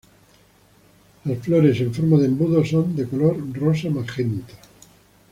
Las flores en forma de embudo son de color rosa magenta.